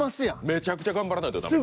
めちゃくちゃ頑張らないとダメ。